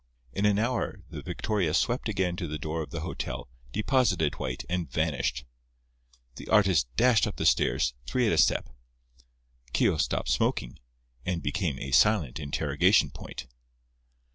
In an hour the victoria swept again to the door of the hotel, deposited White, and vanished. The artist dashed up the stairs, three at a step. Keogh stopped smoking, and became a silent interrogation point.